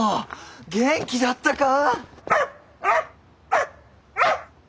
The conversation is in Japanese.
元気だったか。